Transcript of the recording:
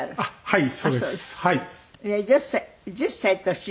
はい。